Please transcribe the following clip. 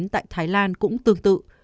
tại thái lan cũng tương tự